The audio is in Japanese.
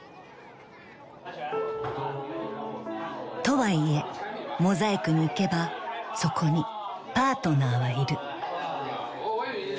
［とはいえＭＯＳＡＩＣに行けばそこにパートナーはいる］